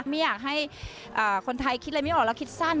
ไม่อยากให้คนไทยคิดอะไรไม่ออกแล้วคิดสั้น